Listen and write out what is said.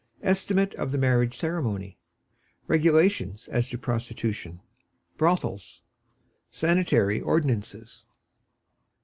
Estimate of the Marriage Ceremony. Regulations as to Prostitution. Brothels. Sanitary Ordinances.